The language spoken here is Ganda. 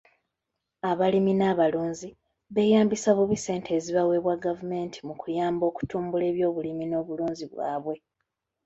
Abalimi n'abalunzi beeyambisa bubi ssente ezibaweebwa gavumenti mu kubayamba okutumbula ebyobulimi n'obulunzi bwabwe,